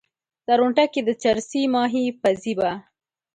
درونټه کې د چرسي ماهي پزي به